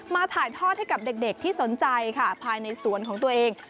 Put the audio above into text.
ถ่ายทอดให้กับเด็กที่สนใจค่ะภายในสวนของตัวเอง